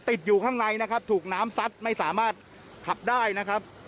ติดอยู่ข้างในนะครับถูกน้ำซัดไม่สามารถขับได้นะครับ